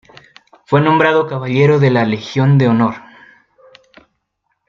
Fue nombrado Caballero de la Legión de Honor.